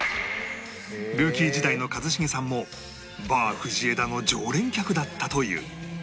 ルーキー時代の一茂さんも Ｂａｒ 藤枝の常連客だったという